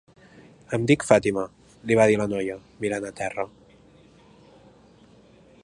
"Em dic Fàtima", li va dir la noia, mirant a terra.